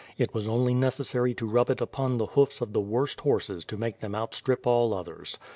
It was only necessary to rub it upon the hoofs of the worst horses to make them outstrip all others.